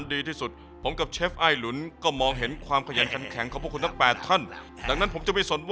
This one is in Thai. ดีข้าวเหนียวสุกแล้ว